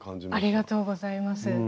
ありがとうございます。